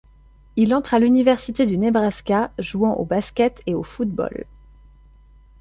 Il entre à l'université du Nebraska, jouant au basket et au football.